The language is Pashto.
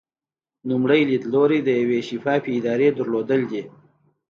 لومړی لیدلوری د یوې شفافې ادارې درلودل دي.